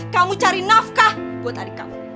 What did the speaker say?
kamu cari nafkah buat adik kamu